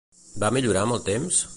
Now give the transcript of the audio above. Va millorar amb el temps?